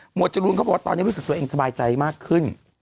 จรูนเขาบอกว่าตอนนี้รู้สึกตัวเองสบายใจมากขึ้น